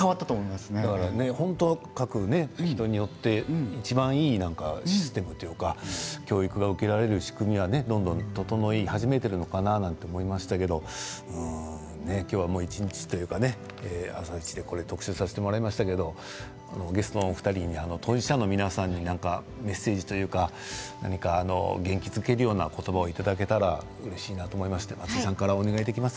人によっていちばんいいシステムというか教育が受けられる仕組みがどんどん整え始めているのかなと思いましたけど今日は一日というか「あさイチ」で特集させてもらいましたけどゲストのお二人に当事者の皆さんにメッセージというか元気づけるような言葉をいただけたらうれしいなと思いまして。